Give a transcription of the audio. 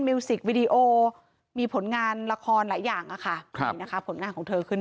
มิวสิกวีดีโอมีผลงานละครหลายอย่างค่ะค่ะผลงานของเธอขึ้น